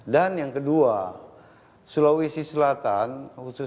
dan yang kedua sulawesi selatan khususnya kawasan timur indonesia ini masa depan indonesia